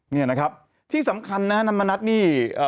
เนี่ยนะครับที่สำคัญนะนัลมณัตินี่